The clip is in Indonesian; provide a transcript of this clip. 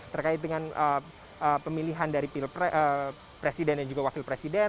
terkait dengan pemilihan dari presiden dan juga wakil presiden